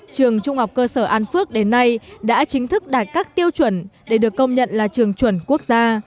trường trung học cơ sở an phước đến nay đã chính thức đạt các tiêu chuẩn để được công nhận là trường chuẩn quốc gia